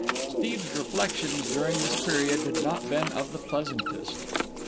Steve's reflections during this period had not been of the pleasantest.